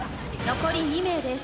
残り２名です。